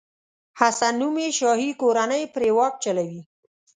حسن نومي شاهي کورنۍ پرې واک چلوي.